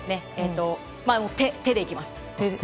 手でいきます。